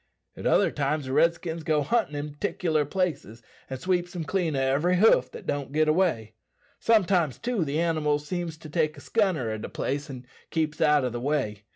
At other times the Redskins go huntin' in 'ticlur places, and sweeps them clean o' every hoof that don't git away. Sometimes, too, the animals seems to take a scunner at a place, and keeps out o' the way.